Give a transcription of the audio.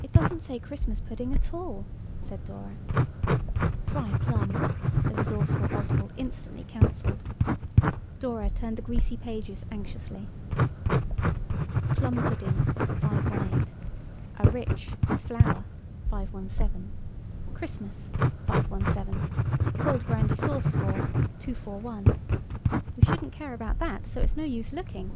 "It doesn't say Christmas pudding at all," said Dora. "Try plum," the resourceful Oswald instantly counselled. Dora turned the greasy pages anxiously. "'Plum pudding, 518. "'A rich, with flour, 517. "'Christmas, 517. "'Cold brandy sauce for, 241.' "We shouldn't care about that, so it's no use looking.